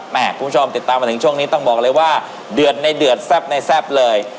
คุณผู้ชมติดตามมาถึงช่วงนี้ต้องบอกเลยว่าเดือดในเดือดแซ่บในแซ่บเลย